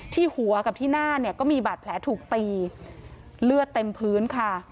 ที่หัวกับที่หน้าเนี่ยก็มีบาดแผลถูกตีเลือดเต็มพื้นค่ะ